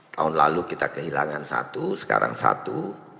tahun lalu kita kehilangan satu sekarang satu